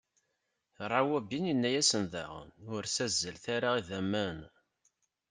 Rawubin inna-asen daɣen: Ur ssazzalet ara idammen!